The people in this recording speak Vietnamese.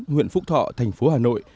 nguyện phúc thọ thành phố hà nội